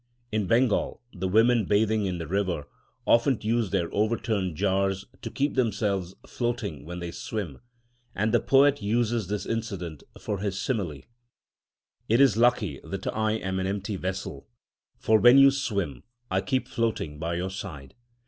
In Bengal the women bathing in the river often use their overturned water jars to keep themselves floating when they swim, and the poet uses this incident for his simile: It is lucky that I am an empty vessel, For when you swim, I keep floating by your side.